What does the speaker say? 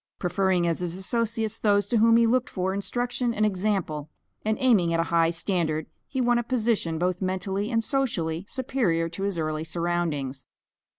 Preferring as his associates those to whom he looked for instruction and example, and aiming at a high standard, he won a position, both mentally and socially, superior to his early surroundings.